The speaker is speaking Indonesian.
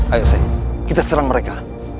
ayo kita serang mereka